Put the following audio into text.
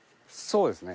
そうですね。